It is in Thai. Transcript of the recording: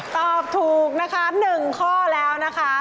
ตอบถูกนะคะ๑ข้อแล้วนะคะ